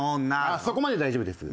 あっそこまでで大丈夫です。